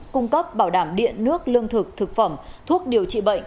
cung cấp bảo đảm điện nước lương thực thực phẩm thuốc điều trị bệnh